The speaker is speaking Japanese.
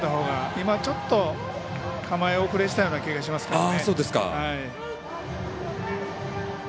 今はちょっと構え遅れしたような気がしますね。